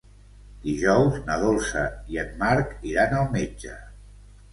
Dijous na Dolça i en Marc iran al metge.